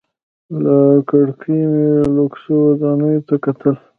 له کړکۍ مې لوکسو ودانیو ته کتل.